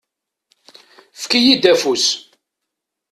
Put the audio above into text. Fek-iyi-d afus.